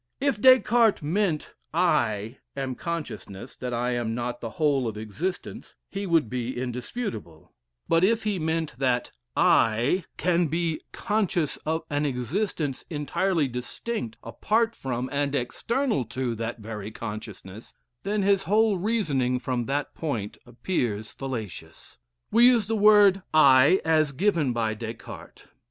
If Des Cartes meant "I" am conscious that I am not the whole of existence, he would be indisputable; but if he meant that "I" can be conscious of an existence entirely distinct, apart from, and external to, that very consciousness, then his whole reasoning from that point appears fallacious. We use the word "I" as given by Des Cartes.